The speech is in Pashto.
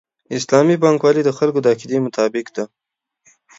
اسلامي بانکوالي د خلکو د عقیدې مطابق ده.